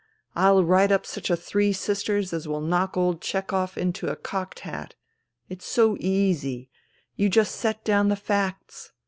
I'll write up such a Three Sisters as will knock old Chehov into a cocked hat. It's so easy. You just set down the facts.